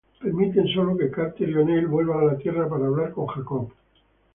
Permiten solo que Carter y O'Neill vuelvan a la tierra para hablar con Jacob.